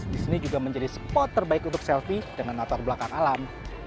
di sini juga menjadi spot terbaik untuk selfie dengan latar belakang alam